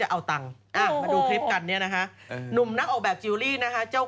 ให้รถชน